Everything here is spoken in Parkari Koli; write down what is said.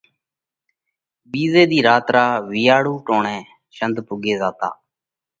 ٻِيزئہ ۮِي رات را وِيئاۯُو ٽوڻئہ شنڌ پُوڳي زاتا۔